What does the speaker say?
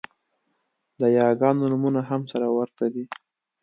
د یاګانو نومونه هم سره ورته دي